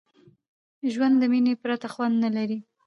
ژوند د میني پرته خوند نه لري.